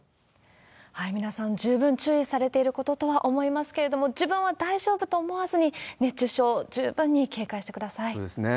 皆さん、十分注意されていることとは思いますけれども、自分は大丈夫と思わずに、熱中症、そうですね。